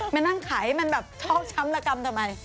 มานั่งขายให้มันแบบชอบช้ำละกำทำไม